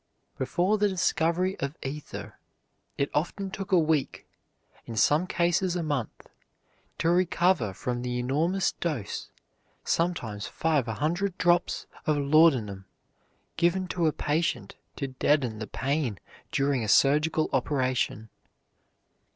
Before the discovery of ether it often took a week, in some cases a month, to recover from the enormous dose, sometimes five hundred drops of laudanum, given to a patient to deaden the pain during a surgical operation.